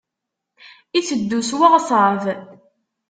Iteddu s weɣṣab.